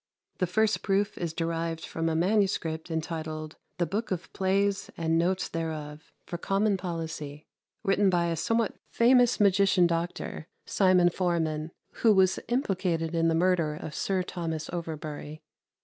The first proof is derived from a manuscript entitled "The Booke of Plaies and Notes thereof, for Common Pollicie," written by a somewhat famous magician doctor, Simon Forman, who was implicated in the murder of Sir Thomas Overbury.